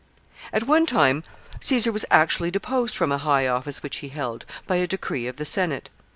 ] At one time Caesar was actually deposed from a high office which he held, by a decree of the Senate.